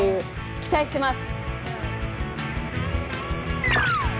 期待してます。